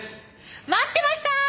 待ってました！